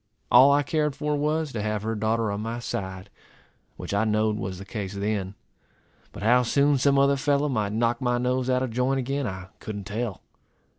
All I cared for was, to have her daughter on my side, which I knowed was the case then; but how soon some other fellow might knock my nose out of joint again, I couldn't tell.